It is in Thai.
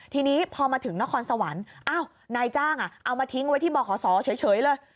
ทีนี้พอมาถึงนครสวรรค์นายจ้างอะเอามาทิ้งไว้ที่บ่อข้อสรเฉยเลย